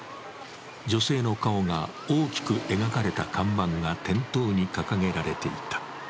女性の顔が大きく描かれた看板が店頭に掲げられていた。